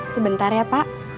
sebentar ya pak